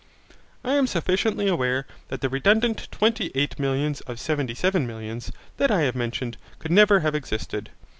I am sufficiently aware that the redundant twenty eight millions, or seventy seven millions, that I have mentioned, could never have existed.